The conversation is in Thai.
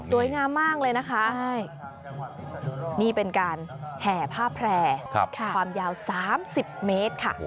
งามมากเลยนะคะนี่เป็นการแห่ผ้าแพร่ความยาว๓๐เมตรค่ะ